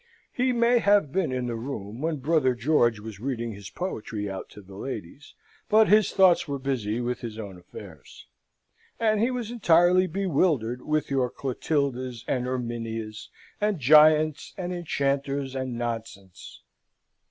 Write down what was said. He may have been in the room when brother George was reading his poetry out to the ladies, but his thoughts were busy with his own affairs, and he was entirely bewildered with your Clotildas and Erminias, and giants, and enchanters, and nonsense.